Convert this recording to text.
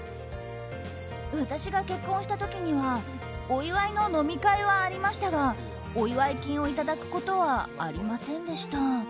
私が結婚した時にはお祝いの飲み会はありましたがお祝い金をいただくことはありませんでした。